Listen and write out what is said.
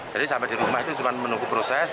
jadi sampai di rumah itu cuma menunggu proses